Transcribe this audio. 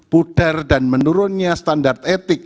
pudar dan menurunnya standar etik